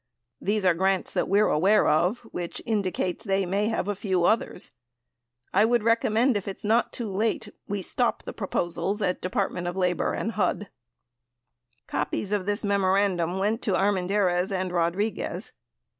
These are grants that we're aware of which indicates they may have a few others. I would recommend if it's not too late, we stop the pro posals at DOL and HUD. 88 Copies of this memorandum went to Armendariz and Rodriguez.